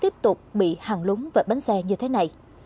tuyến quốc lộ một a vẫn tiếp tục bị hằn lún và bánh xe như thế này